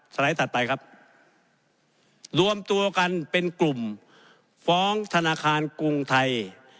ไลด์ถัดไปครับรวมตัวกันเป็นกลุ่มฟ้องธนาคารกรุงไทย